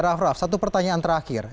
raff satu pertanyaan terakhir